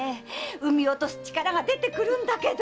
産み落とす力が出てくるんだけど！